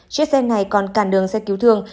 chiếc xe này còn cản đường xe cứu thương